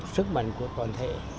sứ mệnh của toàn thể